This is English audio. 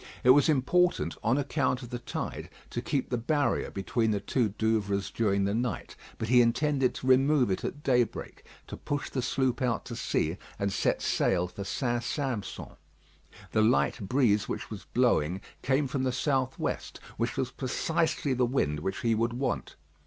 It was important, on account of the tide, to keep the barrier between the two Douvres during the night, but he intended to remove it at daybreak, to push the sloop out to sea, and set sail for St. Sampson. The light breeze which was blowing came from the south west, which was precisely the wind which he would want.